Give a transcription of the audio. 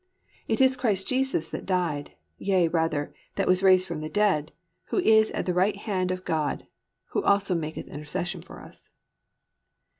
It is Christ Jesus that died, yea rather, that was raised from the dead, who is at the right hand of God, who also maketh intercession for us."